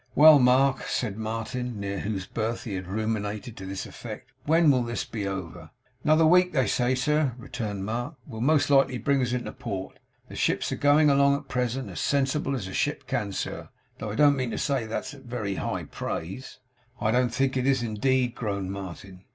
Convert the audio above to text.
'Well, Mark,' said Martin, near whose berth he had ruminated to this effect. 'When will this be over?' 'Another week, they say, sir,' returned Mark, 'will most likely bring us into port. The ship's a going along at present, as sensible as a ship can, sir; though I don't mean to say as that's any very high praise.' 'I don't think it is, indeed,' groaned Martin.